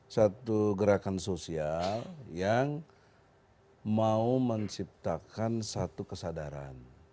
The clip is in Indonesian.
satu gerakan sosial yang mau menciptakan satu kesadaran